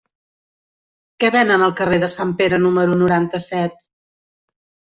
Què venen al carrer de Sant Pere número noranta-set?